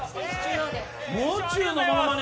もう中のものまね？